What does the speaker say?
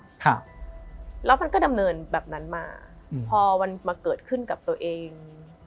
ครับแล้วมันก็ดำเนินแบบนั้นมาอืมพอมันมาเกิดขึ้นกับตัวเอง